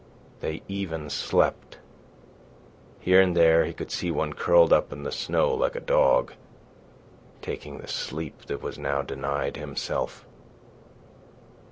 They even slept. Here and there he could see one curled up in the snow like a dog, taking the sleep that was now denied himself.